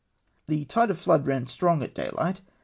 " The tide of flood ran strong at daylight.